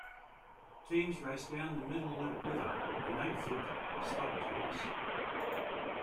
Teams race down the Middle Loup River in eight foot stock tanks.